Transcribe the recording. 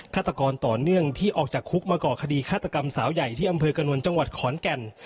ฆาตกรต่อเนื่องที่ออกจากคุกมาก่อคดีฆาตกรรมสาวใหญ่ที่อำเภอกระนวลจังหวัดขอนแก่น